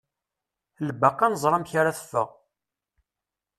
Lbaqi ad nẓer amek ara teffeɣ.